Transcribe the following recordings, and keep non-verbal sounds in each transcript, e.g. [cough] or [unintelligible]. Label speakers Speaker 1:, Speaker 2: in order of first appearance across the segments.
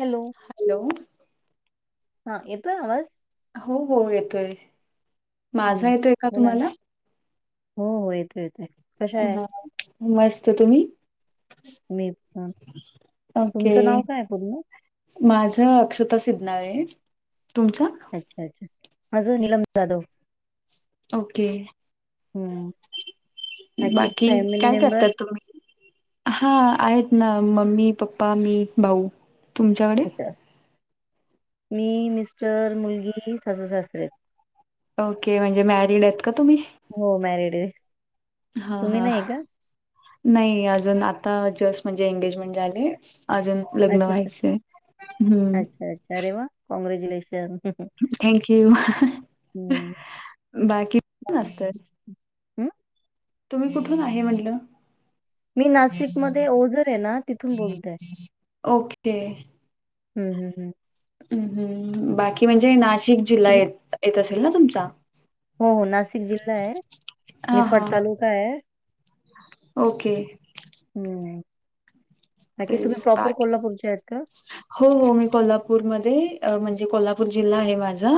Speaker 1: Hello
Speaker 2: hello
Speaker 1: हा येतोय आवाज
Speaker 2: हो हो येतोय माझा
Speaker 1: हम्म
Speaker 2: येतोय का
Speaker 1: बोला ना
Speaker 2: तुम्हाला
Speaker 1: हो हो येतो येतोय कशा आहे
Speaker 2: हा मस्त तुम्ही
Speaker 1: मी पण तुमचं नाव काय पूर्ण?
Speaker 2: माझं अक्षता सिद्धनाळे तुमचं
Speaker 1: अच्छा अच्छा माझं नीलम जाधव
Speaker 2: ओके
Speaker 1: हम्म
Speaker 2: बाकी
Speaker 1: फॅमिली
Speaker 2: काय
Speaker 1: मेंबर
Speaker 2: करतात तुम्ही? हा आहेत ना मम्मी पप्पा मी भाऊ तुमच्यात?
Speaker 1: अच्छा मी मिस्टर मुलगी सासू सासरे
Speaker 2: ओके म्हणजे मॅरिड आहेत का तुम्ही?
Speaker 1: हो मॅरिड हे
Speaker 2: हा हा नाही अजून आता जस्ट म्हणजे एंगेजमेंट झाले अजून लग्न
Speaker 1: अच्छा अच्छा
Speaker 2: व्हायचंय हम्म
Speaker 1: अच्छा अच्छा अरे वा कॉग्रेच्युलेशन!
Speaker 2: थँक यू
Speaker 1: हम्म
Speaker 2: बाकी मस्त
Speaker 1: हम्म?
Speaker 2: तुम्ही कुठून आहे म्हंटलं?
Speaker 1: मी नाशिक मध्ये ओझर आहे ना तिथून बोलतय
Speaker 2: ओके
Speaker 1: हम् हम हम
Speaker 2: हम् हम् बाकी म्हणजे नाशिक जिल्हा य
Speaker 1: तुम-
Speaker 2: येत असेल ना तुमचा?
Speaker 1: हो हो नाशिक जिल्हा आहे
Speaker 2: हां,
Speaker 1: निफाड
Speaker 2: हां.
Speaker 1: तालुका आहे
Speaker 2: ओके
Speaker 1: हम्म
Speaker 2: [inaudible]
Speaker 1: बाकी तुम्ही प्रॉपर कोल्हापूरच्या आहेत का?
Speaker 2: हो हो मी कोल्हापूरमध्ये म्हणजे कोल्हापूर जिल्हा आहे माझा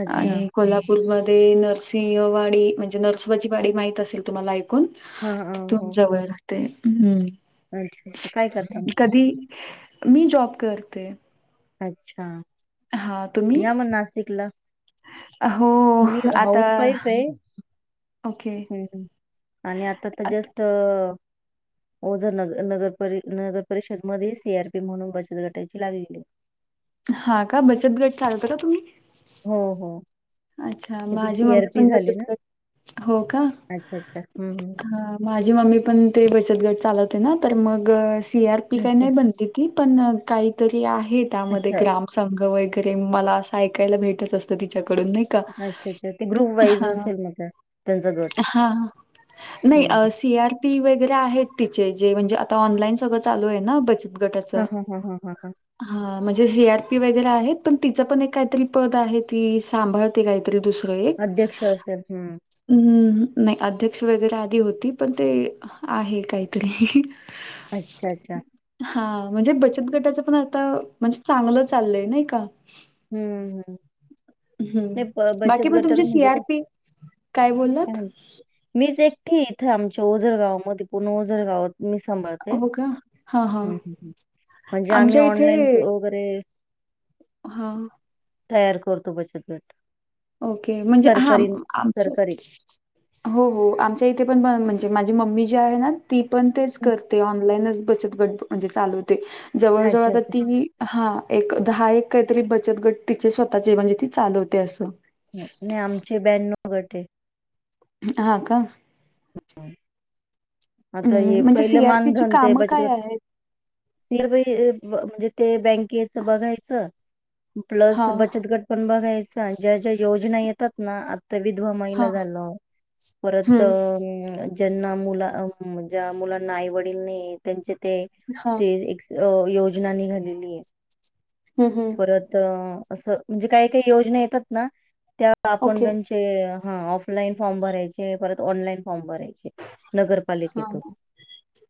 Speaker 1: अच्छा.
Speaker 2: आणि कोल्हापूरमध्ये नरसिंहवाडी म्हणजे नरसोबाची वाडी माहित असेल तुम्हाला ऐकून
Speaker 1: हां, हां.
Speaker 2: तिथून
Speaker 1: हो.
Speaker 2: जवळ राहते हम्म
Speaker 1: अच्छा काय करता मग?
Speaker 2: कधी मी जॉब करते
Speaker 1: अच्छा
Speaker 2: हां, तुम्ही?
Speaker 1: या मग नाशिकला
Speaker 2: हो.
Speaker 1: मी
Speaker 2: आता
Speaker 1: हाऊस वाईफ आहे
Speaker 2: ओके.
Speaker 1: हम् आणि आता तर
Speaker 2: आत
Speaker 1: जस्ट अ ओझर न नगरप नगर परिषद मध्ये सी आर पी म्हणून बचत गटायची लागलेली
Speaker 2: हा का बचत गट चालवता का तुम्ही?
Speaker 1: हो हो
Speaker 2: अच्छा
Speaker 1: त्याची
Speaker 2: माझी मम्मी
Speaker 1: सी-आर-पी
Speaker 2: पण
Speaker 1: झाली
Speaker 2: बचत
Speaker 1: ना?
Speaker 2: कर हो का?
Speaker 1: अच्छा, अच्छा. हं, हं.
Speaker 2: हा माझी मम्मी पण ते बचत गट चालवते ना तर मग सी आर पी काय
Speaker 1: अच्छा,
Speaker 2: नाही बनती ती पण काहीतरी आहे त्यामध्ये
Speaker 1: अच्छा,
Speaker 2: ग्राम संघ वगैरे मला असं ऐकायला भेटत असतं तिच्याकडून नाही का
Speaker 1: अच्छा अच्छा ते ग्रुप वाईज
Speaker 2: हा
Speaker 1: असेल मग त्या त्यांचा गट
Speaker 2: हा
Speaker 1: हं, हं.
Speaker 2: नाही सी आर पी वगैरे आहेत तिचे जे म्हणजे आता ऑनलाईन सगळं चालू आहे ना बच त गटाच
Speaker 1: हां, हां, हां, हां, हां, हां.
Speaker 2: हा म्हणजे सी आर पी वगैरे आहेत पण तिचं पण एक काहीतरी पद आहे ती सांभाळते काही तरी दुसरं एक
Speaker 1: अध्यक्ष असेल. हं.
Speaker 2: हम्म नाही अध्यक्ष वगैरे आधी होती पण ते आहे काहीतरी
Speaker 1: अच्छा! अच्छा!
Speaker 2: हा म्हणजे बचत गटाच पण आता म्हणजे चांगलं चाललंय नाही का.
Speaker 1: हम्म, हम्,
Speaker 2: हं.
Speaker 1: नाही
Speaker 2: बाकी
Speaker 1: बचत
Speaker 2: मग
Speaker 1: गटाला
Speaker 2: तुमचे
Speaker 1: म्हणजे कस
Speaker 2: सी-आर-पी काय बोलात?
Speaker 1: मीच एकटी इथे आमच्या ओजरगाव मध्ये पूर्ण ओझरगावात मी सांभाळते
Speaker 2: हो का? हां, हां.
Speaker 1: म्हणजे आम्ही
Speaker 2: आमच्या इथे
Speaker 1: ऑनलाईन वगैरे
Speaker 2: हा.
Speaker 1: तयार करतो बचत गट.
Speaker 2: ओके म्हणजे हां
Speaker 1: सरकारी
Speaker 2: आमचे-
Speaker 1: सरकारी
Speaker 2: हों हों आमच्या इथे पण बं म्हणजे माझी मम्मी जी आहे ना- ती पण तेच
Speaker 1: हम्म.
Speaker 2: करते ऑनलाईनचं बचत गट म्हणजे चालवते जवळजवळ
Speaker 1: अच्छा
Speaker 2: आता
Speaker 1: अच्छा
Speaker 2: ती- हा एक दहा एक काहीतरी बचत गट तिचे स्वतःचे म्हणजे ती चालवते असं.
Speaker 1: नाही आमचे ब्याण्णव गटय.
Speaker 2: हा का.
Speaker 1: आता हे
Speaker 2: हम्म, म्हणजे
Speaker 1: पहिलं
Speaker 2: सी आर पी ची कामं काय आहेत.
Speaker 1: सीर म्हणजे ते बँकेच बघायचं प्लस
Speaker 2: हां,
Speaker 1: बचतगट पण बघायचां ज्या ज्या योजना येतात नां आ- तर विधवा
Speaker 2: हां.
Speaker 1: महिला झालं
Speaker 2: हं,
Speaker 1: परतं- हुं ज्यांना मुला ज्या मुलांना आईवडील नाहीयेत त्यांचे ते-
Speaker 2: हा.
Speaker 1: ते एक योजना निघालेलीयें.
Speaker 2: हुं हुं-
Speaker 1: त्यातं असं म्हणजें काय काय योजना येतातनां त्या आपण
Speaker 2: ओके.
Speaker 1: त्याची- ते हां ऑफलाईन फॉर्म भरायंचे परत ऑनलाईन फॉर्म भरायचे.
Speaker 2: हां,
Speaker 1: नरपालिकेतून
Speaker 2: हां.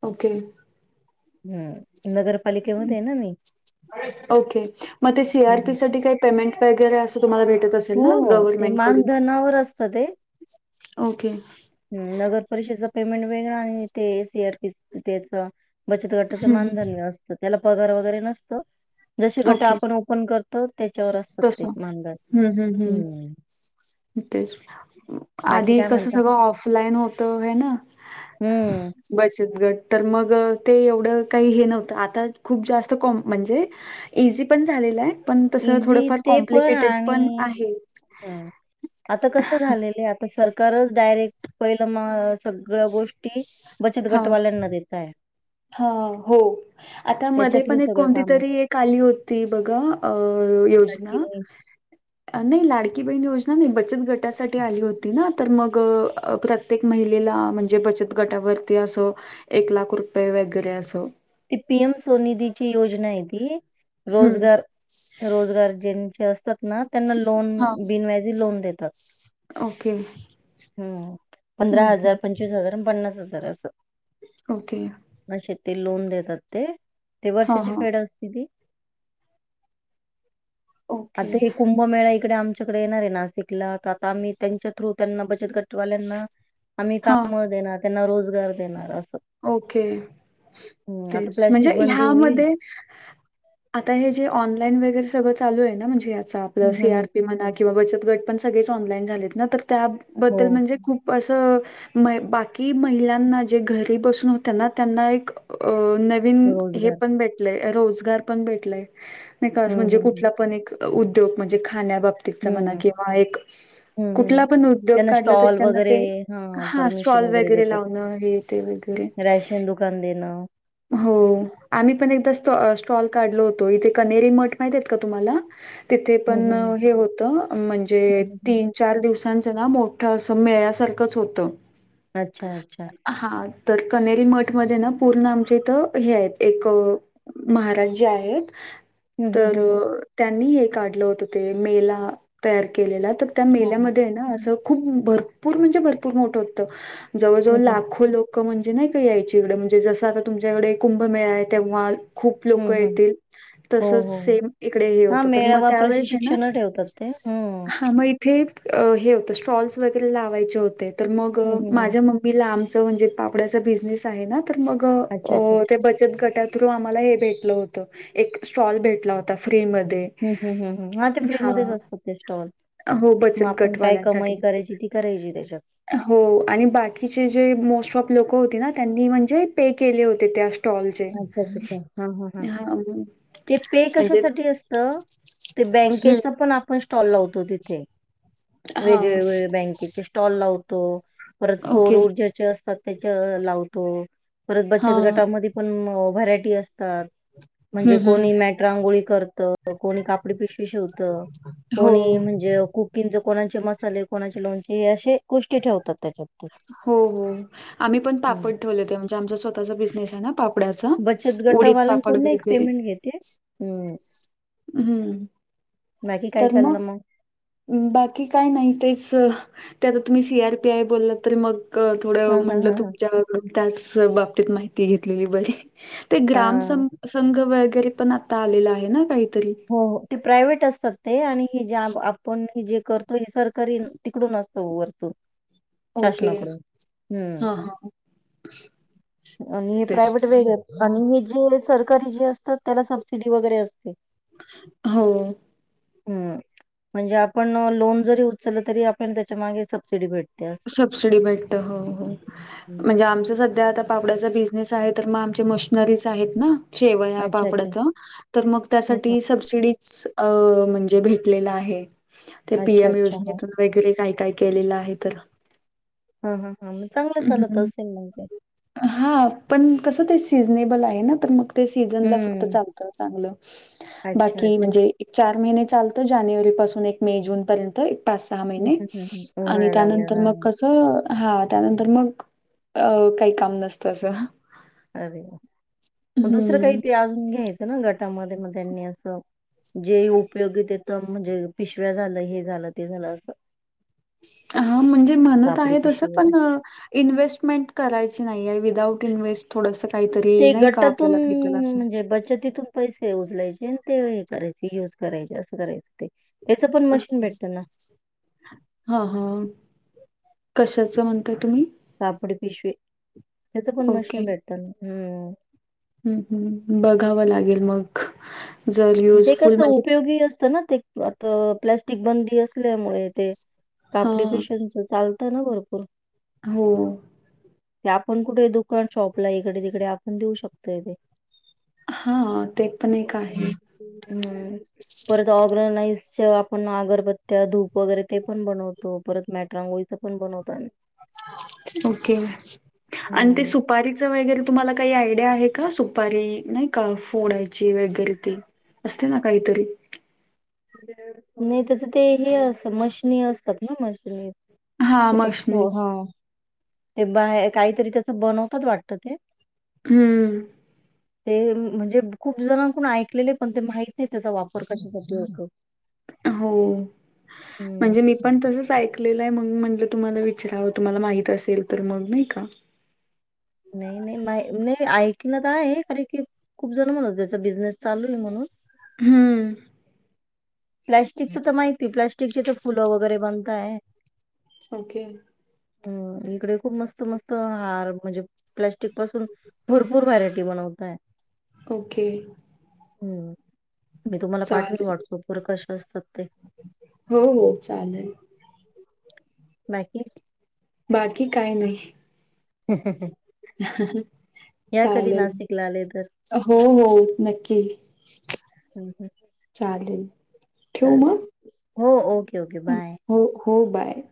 Speaker 2: ओके,
Speaker 1: हुं नगरपालिक्-
Speaker 2: ओके, मग सी
Speaker 1: हं,
Speaker 2: आर पी
Speaker 1: हं.
Speaker 2: साठी काय पेमेटं- वगैरे असं तुम्हाला भेटत असेल
Speaker 1: हो,
Speaker 2: नां
Speaker 1: हो. ते
Speaker 2: गव्हर्नमेंट कडून.
Speaker 1: मानधनावर असतं
Speaker 2: ओकें-
Speaker 1: हुं नगर परिषदेचे पेमेंट वेगळा आणि ते सी आर पी त्याच- बचत गटाचं
Speaker 2: हं, हं.
Speaker 1: मानधन्य हेअसतं त्याला पगार वगैरे नसतं. जशी गट
Speaker 2: ओके.
Speaker 1: आपण ओपन करतो त्याच्यावर असतात ते
Speaker 2: तसं.
Speaker 1: मानधन
Speaker 2: हं, हं, हं.
Speaker 1: हुं.
Speaker 2: तेच,
Speaker 1: बाकी
Speaker 2: आधी
Speaker 1: काय
Speaker 2: कसं
Speaker 1: म्हणता?
Speaker 2: सगळ- ऑफलाईन होत हैं नां
Speaker 1: हम्म
Speaker 2: बचत गट तर मग- ते एवढं काही हे नव्हतं आता खूप जास्त कॉम म्हणजे इझी पण झालेलायं.
Speaker 1: इझी ते पण आणि
Speaker 2: आहे.
Speaker 1: हं आता कसं झालेलं - ते सरकारच डायरेक्ट पहिलं म- सगळ्या गोष्टी बचत गटवाल्यांना देतायं.
Speaker 2: हों हों आता मध्ये
Speaker 1: थ्रू
Speaker 2: पण एक
Speaker 1: सगळे
Speaker 2: कोणती
Speaker 1: काम
Speaker 2: तरी एक आली होती बघा- अं
Speaker 1: लाडकी
Speaker 2: योजना
Speaker 1: बहीण
Speaker 2: नाही लाडकी बहिण योजना, नाही बचत गट- त्यासाठी आली होती नां- तर मग प्रत्येक महिलेला म्हणजे बचत गटावरती असं एक लाख रु- पये वगैरे असं-
Speaker 1: ती पी एम सो निधीची योजनां ती
Speaker 2: हम्म
Speaker 1: रोजगार- रोजगार ज्यांचे असतात ना त्यांना लोन
Speaker 2: हां
Speaker 1: बिनव्याजी लोन देतात.
Speaker 2: ओके
Speaker 1: हुं
Speaker 2: हम्म,
Speaker 1: पंधरा हजार,
Speaker 2: हम्म.
Speaker 1: पंचवीस हजार आणि पन्नास हजार असं-
Speaker 2: ओके.
Speaker 1: म ते शेत लोन देतात ते ते
Speaker 2: हां
Speaker 1: वर्षाची
Speaker 2: हां
Speaker 1: फेड असते ती.
Speaker 2: ओके
Speaker 1: आता हे को- मेळा इकडे आमच्याकडे येणारायें नाशिकला तर आता आम्ही त्यांच्या थ्रू त्यांना बचतग- ट वाल्यांना आम्ही
Speaker 2: हां
Speaker 1: काम देणार त्यांना रोजगार देणार असं-
Speaker 2: ओके.
Speaker 1: हं, आता
Speaker 2: तेच म्हणजे
Speaker 1: प्लास्टिक बंदी होईल.
Speaker 2: ह्यामध्ये आता हे जे, ऑनलाईन वगैरे सगळं चालू आहे ना. म्हणजे याच आपलं.
Speaker 1: हं,
Speaker 2: सी
Speaker 1: हं,
Speaker 2: आर
Speaker 1: हं.
Speaker 2: पी म्हना किंवा बचत गट पण सगळेच ऑनलाईन झालेत, ना. तर
Speaker 1: हो,
Speaker 2: त्याबद्दल म्हणजे खूप असं. महि बाकी महिलांना जे घर ते बसून होत्याना. त्यांना, एक अ नवीन हे
Speaker 1: रोजगार.
Speaker 2: पण भेट लय. रोजगार पण भेटलाय. नैका अस
Speaker 1: हं,
Speaker 2: म्हणजे
Speaker 1: हं, हं.
Speaker 2: कुठला पण एक उद्योग. म्हणजे खाण्याबाब तितचा म्हणा.
Speaker 1: हं,
Speaker 2: किंवा एक
Speaker 1: हं, हं.
Speaker 2: कुठला पण उद्योग
Speaker 1: त्यांना
Speaker 2: काढला तर
Speaker 1: स्टॉल
Speaker 2: त्यांना
Speaker 1: वगैरे
Speaker 2: ते. हां, स्टॉल वगैरे लावणं. हे, ते. वेगै
Speaker 1: राशेन दुकान देणं.
Speaker 2: हो. आम्ही पण एकदा स्ट- स्टॉल काढलो होतो. इथे कनेरी मठ माहितियेत का तुम्हाला? तिथे,
Speaker 1: हं,
Speaker 2: पण
Speaker 1: हं, हं.
Speaker 2: हे होतं. म्हणजे
Speaker 1: हं, हं,
Speaker 2: तीन चार
Speaker 1: हं.
Speaker 2: दिवसांचं नां. मोठं असं, मेळ्यासारखंच होतं.
Speaker 1: अच्छा, अच्छा.
Speaker 2: हां. तर कनेरी मठमध्ये ना पूर्ण आम चे. इथ हे आहेत. एक महाराज जी आहेत.
Speaker 1: हं, हं,
Speaker 2: तर
Speaker 1: हं, हं.
Speaker 2: त्यांनी हे काढलं होत, ते मेला, तयार केलेला. तर त्या
Speaker 1: हां, हां.
Speaker 2: मेल्यामध्येयना असं खूप, भरपूर म्हणजे भरपूर मोठं होतं. जवळजवळ
Speaker 1: हं, हं.
Speaker 2: लाखो लोक म्हणजे नाही का यायची इकडे. म्हणजे जसं आता तुमच्याकडे, कुंभमेळाय. तेव्हा खूप लोक
Speaker 1: हं, हं.
Speaker 2: येतील.
Speaker 1: हो,
Speaker 2: तसच,
Speaker 1: हो, हो.
Speaker 2: सेम इकडे हे
Speaker 1: हां,
Speaker 2: होतं. तर मग
Speaker 1: मेळावा
Speaker 2: त्यावेळेसयना
Speaker 1: प्रशिक्षणं ठेवतात ते, हम्.
Speaker 2: ते. हे, होत. स्टॉल्स वगैरे लावायचे होते. तर मग
Speaker 1: हं, हं, हं.
Speaker 2: माझ्या मम मी लांबच म्हणजे, पापड्याचा बिझनेस आहे ना. तर मग,
Speaker 1: अच्छा, अच्छा,
Speaker 2: ते
Speaker 1: अच्छा.
Speaker 2: बचत गटा थ्रू आम्हाला हे भेटलं होत. एक स्टॉल भेटला होता. फ्री मध्ये.
Speaker 1: ह, ह, ह, ह. हा ते फ्री मध्येच असतात, ते स्टॉल.
Speaker 2: हो,
Speaker 1: मग
Speaker 2: बचत
Speaker 1: आपण, काय
Speaker 2: गटवाल्यांसाठी.
Speaker 1: कमाई करायची, ती करायची त्याच्यात.
Speaker 2: हो आणि बाकीचे जे मोस्ट ऑफ लोक होती ना. त्यांनी म्हणजे पे केले होते. त्या स्टॉ
Speaker 1: अच्छा, अच्छा, अच्छा. हा, हा, हा. ते पे
Speaker 2: म्हणजे
Speaker 1: कशासाठी असत ते
Speaker 2: हं,
Speaker 1: बँकेचा पण आप पण स्टॉल लावतो तिथे.
Speaker 2: हां.
Speaker 1: वेगवेगळे बँकेचे स्टॉल लावतो. परत सौर
Speaker 2: ओके.
Speaker 1: ऊर्जेचे असतात, त्याच्या लावतो. परत बचत
Speaker 2: हां.
Speaker 1: गटामध्ये पण व्हरायटी असतात. म्हणजे
Speaker 2: हं, हं.
Speaker 1: कोणी मॅट रांगोळी करत. कोणी काप पडी पिशवी शिवत.
Speaker 2: हो.
Speaker 1: कोणी म्हणजे कु किंगच, कोणाचे मसाले, कोणाचे लोणचे हे असे गोष्टी ठेवतात, त्याच्यात. ते.
Speaker 2: हो, हो. आम्ही पण
Speaker 1: हं.
Speaker 2: पापड ठेवले हो. म्हणजे आमचा स्वतःचा बिझनेसय ना. पापडाचा.
Speaker 1: बचत
Speaker 2: उडीत पापड
Speaker 1: गटावाल्यांकडून एक
Speaker 2: वगैरे.
Speaker 1: पेमेंट घेते. हं.
Speaker 2: हम्म.
Speaker 1: बाकी काय
Speaker 2: तर
Speaker 1: चाललं
Speaker 2: मग बाकी काय नाही. तेच. ते आता तुम्ही सी आर पी आय बोलला. तर मग थोड
Speaker 1: हां, हां,
Speaker 2: म्हणलं,
Speaker 1: हां, हां.
Speaker 2: तुमच्याकडून त्याच बाबतीत माहिती घेतलेली बरी. ते ग्रामस
Speaker 1: हां.
Speaker 2: संघ वगैरे पण आता आलेला आहे, ना. काहीतरी.
Speaker 1: हो. हो. ते प्रायव्हेट असतात, ते. आणि ज आपण जे करतो. हे सरकारी तिकडून असत, वरतुन.
Speaker 2: ओके
Speaker 1: शासनाकडून. हम्म.
Speaker 2: हा हा
Speaker 1: आणि
Speaker 2: तेच
Speaker 1: प्रायव्हेट वेगळ. आणि हे जे सरकारी जे असतात. त्याला, सबसिडी वगैरे असते.
Speaker 2: हो.
Speaker 1: हम्म. म्हणजे आपण लोन जरी उचल तरी, आपल्याला त्याच्या मागे सबसिडी भेट
Speaker 2: सबसिडी भेटत. हो, हो.
Speaker 1: हं
Speaker 2: म्हणजे आमच सध् ध्या आता पापड्याचा बिझनेस आहे. तर मग आमच्या मशनरीज आहेत ना. शेवया,
Speaker 1: अच्छा अच्छा
Speaker 2: पापडाच. तर मग
Speaker 1: हं
Speaker 2: त्यासाठी सबसिडी स अ म्हणजे भेटलेल आहे. ते
Speaker 1: हं. अच्छा
Speaker 2: पीम
Speaker 1: अच्छा हां.
Speaker 2: योजनेतूनच वगैरे काय - काय केलेलं आहे, तर.
Speaker 1: हा हा हा मग चांगलं चालत असेल मग ते,
Speaker 2: हा पण कसं ते सीझनेबल आहे ना तर मग, ते सीझनला फक्त
Speaker 1: हम्म.
Speaker 2: चालतं चांगलं.
Speaker 1: अच्छा
Speaker 2: बाकी
Speaker 1: अच्छा
Speaker 2: म्हणजे, एक चार महिने चालत. जानेवारी पासून एक मे, जून पर्यंत पाच सहा
Speaker 1: हं
Speaker 2: महीने
Speaker 1: हं हं हं
Speaker 2: आणि
Speaker 1: उन्हाळा
Speaker 2: त्या
Speaker 1: लागल्यावर
Speaker 2: नंतर मग
Speaker 1: हां
Speaker 2: कसं तर हा त्यानंतर मग अ काही काम नसतं असं.
Speaker 1: अरे मग दुसरं
Speaker 2: हं.
Speaker 1: काही ते अजून घ्यायचं ना. गटामध्ये मग त्यांनी असं जे उपयोगीेत येतं. म्हणजे पिशव्या झालं, हे झालं ते झालं असं.
Speaker 2: हा म्हणजे म्हणत
Speaker 1: कापडी
Speaker 2: आहेत तसं
Speaker 1: पिशवी वगैरे.
Speaker 2: पण, इन्व्हेस्टमेंट करायची नाही आहे. विदाउट इन्व्हेस्ट थोडंस काहीतरी
Speaker 1: ते
Speaker 2: नाही का
Speaker 1: गटातून
Speaker 2: आपल्याला भेटेल असं.
Speaker 1: म्हणजे बचतीतून पैसे उचलायचे आणि ते हे करायचे युज करायचे. असं करायचं ते त्याच पण मशीन भेटत ना.
Speaker 2: हा हा कशाच म्हणताय. तुम्ही?
Speaker 1: कापडी पिशवे त्याच पण मशीन भेटत ना. हम्
Speaker 2: हम् हम् बघावं लागेल. मग, जर
Speaker 1: ते
Speaker 2: युजफुल
Speaker 1: कसं
Speaker 2: म्हणजे
Speaker 1: उपयोगी असतं ना. ते आता प्लॅस्टिक बंदी असल्यामुळे ते कापडी
Speaker 2: हां,
Speaker 1: पिशव्यांच चालत ना भरपूर.
Speaker 2: हो.
Speaker 1: ते आपण कुठे दुकान शॉपला इकडे तिकडे आपण देऊ शकतोय ते.
Speaker 2: हा ते पण एक आहे.
Speaker 1: हम्म. परत ऑर्गनाइजच्या आपण अगरबत्त्या, धूप वगैरे ते पण बनवतो. तो परत मॅट रांगोळीच पण बनवतात ना.
Speaker 2: ओके आणि
Speaker 1: हं.
Speaker 2: सूपा रीच वगैरे तुम्हाला काही आयडिया आहे का. सुपारी नाही का फोडायची वगैरे ते. असते ना काहीतरी,
Speaker 1: नाही. तसं ते हे असत मशनी असतात ना. मशनी
Speaker 2: हां,
Speaker 1: त्याच्यात हा
Speaker 2: मशनीच.
Speaker 1: ते बाहे काहीतरी त्याच बनवतात वाटत ते.
Speaker 2: हम्म
Speaker 1: ते म्हणजे खूप जणांकडून ऐकलेले पण ते माहित नाही. त्याचा वापर कशासाठी होतो.
Speaker 2: हो
Speaker 1: हं.
Speaker 2: म्हणजे मी पण तसंच ऐकलेलं आहे. मग म्हंटलं तुम्हाला विचारावं. तुम्हाला माहित असेल तर मग नाही का.
Speaker 1: नाही नाही. मा नाही ऐकनात आहे. खर की खूप जण म्हणत त्याचा बिझनेस चालू आहे म्हणून,
Speaker 2: हम्म.
Speaker 1: प्लॅस्टिकचं तर माहिती प्लॅस्टिकची तर फुलं वगैरे बनताय.
Speaker 2: ओके.
Speaker 1: हम्, इकडे खूप मस्त मस्त हार म्हणजे प्लॅस्टिक पासून भरपूर व्हरायटी बनवताय.
Speaker 2: ओके.
Speaker 1: हम्म, मी तुम्हाला पाठवेल.
Speaker 2: चालेल.
Speaker 1: व्हॉट्सअप वर कसे असतात ते,
Speaker 2: हो हो चालेल.
Speaker 1: बाकी,
Speaker 2: बाकी काय नाही.
Speaker 1: ह ह [unintelligible]
Speaker 2: चालेल.
Speaker 1: नाशिकला आले तर.
Speaker 2: हो हो नक्की.
Speaker 1: आणि काय.
Speaker 2: चालेल ठेऊ मग.
Speaker 1: हो ओके ओके बाय.
Speaker 2: हो हो बाय.